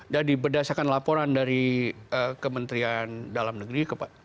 jadi berdasarkan laporan dari kementerian dalam negeri